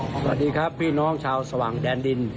สวัสดีครับพี่น้องชาวสว่างแดนดิน